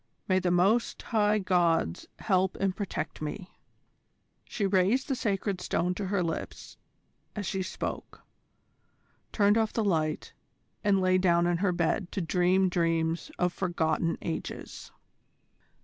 May the Most High Gods help and protect me!" She raised the Sacred Stone to her lips as she spoke, turned off the light, and lay down in her bed to dream dreams of forgotten ages.